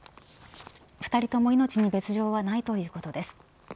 ２人とも命に別条はないということです。